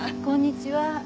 こんにちは。